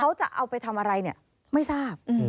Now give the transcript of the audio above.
เขาจะเอาไปทำอะไรเนี่ยไม่ทราบ